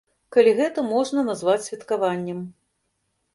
Калі гэта можна назваць святкаваннем.